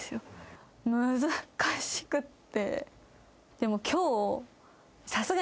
でも今日。